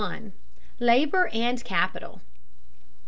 LABOR AND CAPITAL.